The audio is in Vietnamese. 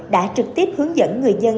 đã trực tiếp hướng dẫn người dân